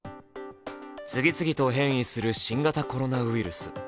次々と変異する新型コロナウイルス。